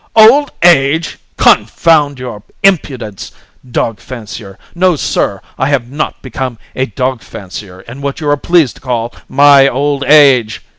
"Old age! Confound your impudence! Dog fancier! No, sir! I have not become a dog fancier in what you are pleased to call my old age!